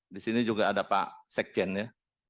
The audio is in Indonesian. di sini juga ada pak sekjen ya